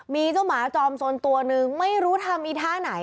มีเจ้าหมาจอมสนตัวนึงไม่รู้ทำอีท่าไหน